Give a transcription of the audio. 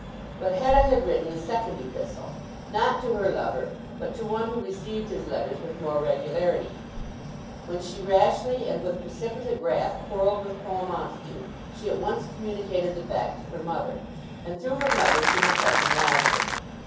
But Hetta had written a second epistle, not to her lover, but to one who received his letters with more regularity. When she rashly and with precipitate wrath quarrelled with Paul Montague, she at once communicated the fact to her mother, and through her mother to her cousin Roger.